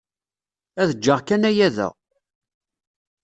Ad ǧǧeɣ kan aya da.